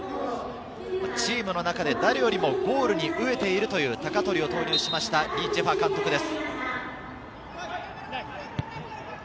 チームの中で誰よりもゴールに飢えているという鷹取を投入しました、リ・ジェファ監督です。